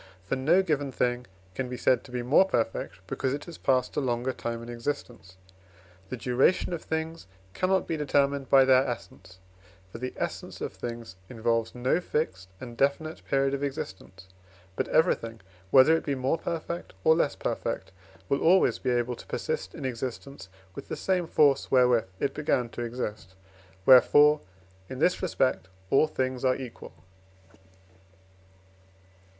For no given thing can be said to be more perfect, because it has passed a longer time in existence. The duration of things cannot be determined by their essence, for the essence of things involves no fixed and definite period of existence; but everything, whether it be more perfect or less perfect, will always be able to persist in existence with the same force wherewith it began to exist; wherefore, in this respect, all things are equal.